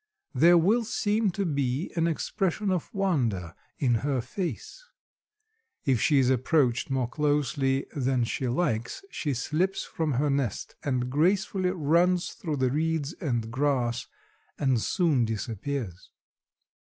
There will seem to be an expression of wonder in her face. If she is approached more closely than she likes she slips from her nest and gracefully runs through the reeds and grass and soon disappears.